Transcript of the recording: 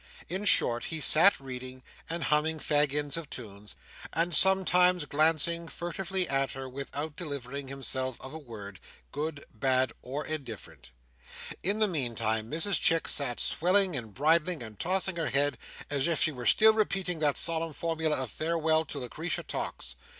In short, he sat reading, and humming fag ends of tunes, and sometimes glancing furtively at her without delivering himself of a word, good, bad, or indifferent. In the meantime Mrs Chick sat swelling and bridling, and tossing her head, as if she were still repeating that solemn formula of farewell to Lucretia Tox.